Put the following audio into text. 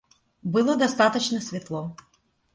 Было достаточно светло.